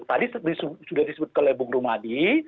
tadi sudah disebutkan oleh bung rumadi